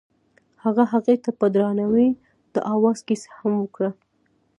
هغه هغې ته په درناوي د اواز کیسه هم وکړه.